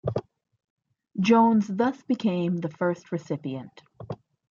Jones thus became the first recipient.